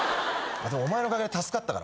お前のおかげで助かったから。